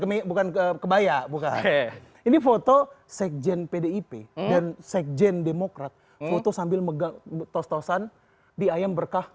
kebaya bukan ini foto sekjen pdip dan sekjen demokrat foto sambil megang betosan di ayam berkah